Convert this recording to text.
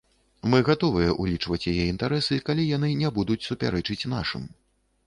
Мы гатовыя ўлічваць яе інтарэсы, калі яны не будуць супярэчыць нашым.